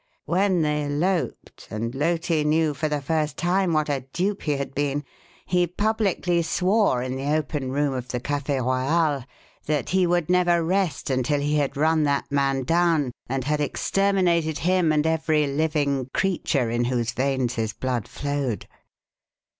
When they eloped, and Loti knew for the first time what a dupe he had been, he publicly swore, in the open room of the Café Royal, that he would never rest until he had run that man down and had exterminated him and every living creature in whose veins his blood flowed.